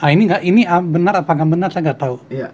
ini benar apa nggak benar saya nggak tahu